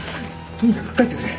とにかく帰ってくれ！